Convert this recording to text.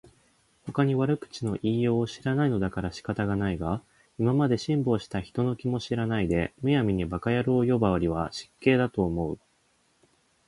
ほかに悪口の言いようを知らないのだから仕方がないが、今まで辛抱した人の気も知らないで、無闇に馬鹿野郎呼ばわりは失敬だと思う